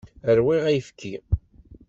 Rwiɣ ayefki.